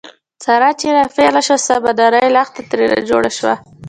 ساره چې را پېغله شوه، سمه نرۍ لښته ترېنه جوړه شوه.